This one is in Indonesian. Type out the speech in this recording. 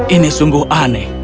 ini sungguh aneh